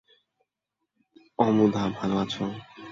অমুধা, ভালো আছ?